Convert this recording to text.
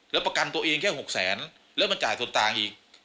แล้วประกันตัวเองแค่๖๐๐๐๐๐๐บาทแล้วมาจ่ายทดต่างอีก